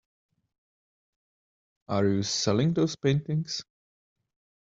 Are you selling those paintings?